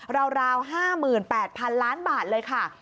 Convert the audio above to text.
ราว๕๘๐๐๐ล้านบาทเลยค่ะ